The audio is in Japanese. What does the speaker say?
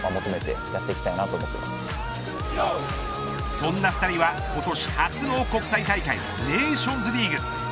そんな２人は今年初の国際大会ネーションズリーグ。